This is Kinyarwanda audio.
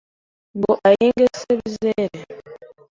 ngo ahinge se bizere